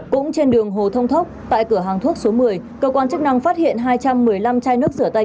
cũng trên đường hồ thông thốc tại cửa hàng thuốc số một mươi cơ quan chức năng phát hiện hai trăm một mươi năm chai nước rửa tay